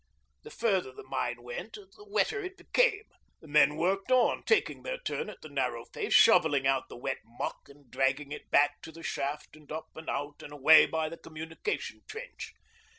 The further the mine went the wetter it became. The men worked on, taking their turn at the narrow face, shovelling out the wet muck and dragging it back to the shaft and up and out and away by the communication trench.